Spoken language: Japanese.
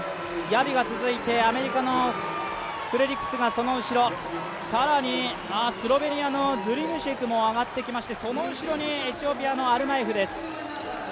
ヤビが続いて、アメリカのフレリクスがその後ろ、更にスロベニアのズリムシェクも上がってきましてその後ろにエチオピアのアルマエフです。